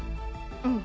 うん。